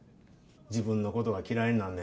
自分の事が嫌いになんねん。